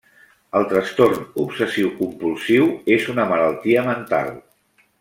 El trastorn obsessiu-compulsiu és una malaltia mental.